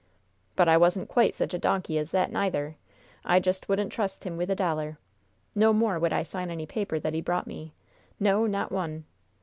"But I wasn't quite such a donkey as that, nyther! I just wouldn't trust him with a dollar! No more would I sign any paper that he brought me. No, not one!